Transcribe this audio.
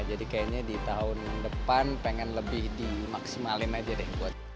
jadi kayaknya di tahun depan pengen lebih dimaksimalin aja deh